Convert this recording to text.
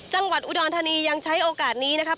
จังหวัดอุดรธานียังใช้โอกาสนี้นะครับ